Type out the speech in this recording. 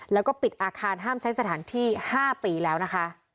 แล้วก็ปิดอาคารห้ามใช้สถานที่๕ปีแล้วนะคะ